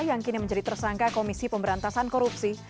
yang kini menjadi tersangka komisi pemberantasan korupsi